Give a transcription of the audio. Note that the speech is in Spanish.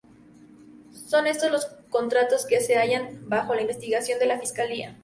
Son estos los contratos que se hallan bajo investigación de la fiscalía.